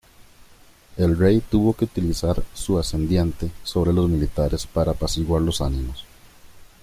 El Rey tuvo que utilizar su ascendiente sobre los militares para apaciguar los ánimos.